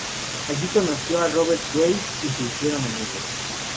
Allí conoció a Robert Graves y se hicieron amigos.